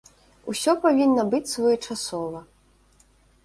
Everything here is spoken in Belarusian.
Усё павінна быць своечасова.